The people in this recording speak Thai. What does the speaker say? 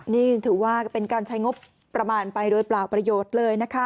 นี่ถือว่าเป็นการใช้งบประมาณไปโดยเปล่าประโยชน์เลยนะคะ